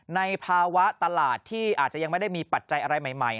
ในภาวะตลาดที่อาจจะยังไม่ได้มีปัจจัยอะไรใหม่